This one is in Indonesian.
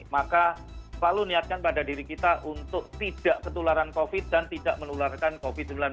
maka selalu niatkan pada diri kita untuk tidak ketularan covid dan tidak menularkan covid sembilan belas